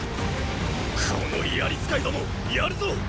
この槍使いどもやるぞ！